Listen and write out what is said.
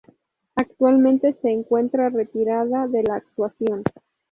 Actualmente se encuentra retirada de la actuación.